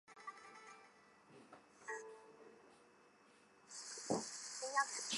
李老小花介为小浪花介科小花介属下的一个种。